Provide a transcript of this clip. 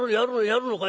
「やる」。